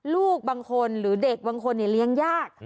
ลูกบางคนหรือเด็กบางคนเลี้ยงยาก